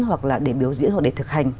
hoặc là để biểu diễn hoặc để thực hành